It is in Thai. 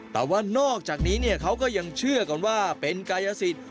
แต่ว่านอกจากนี้เขาก็ยังเชื่อกันว่าเป็นกายสิทธิ